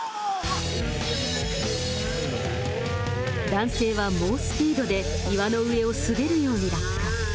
男性は猛スピードで岩の上をすべるように落下。